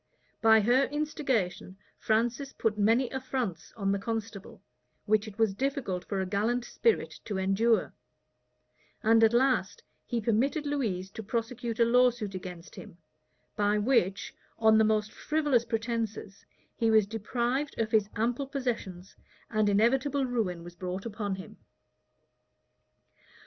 By her instigation, Francis put many affronts on the constable, which it was difficult for a gallant spirit to endure; and at last he permitted Louise to prosecute a lawsuit against him, by which, on the most frivolous pretences, he was deprived of his ample possessions; and inevitable ruin was brought upon him.